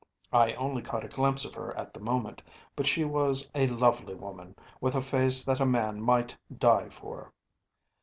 I only caught a glimpse of her at the moment, but she was a lovely woman, with a face that a man might die for.